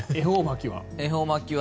恵方巻きは？